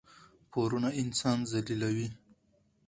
پورونه انسان ذلیلوي.